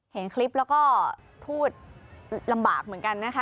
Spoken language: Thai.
เห็นคลิปแล้วก็พูดลำบากเหมือนกันนะคะ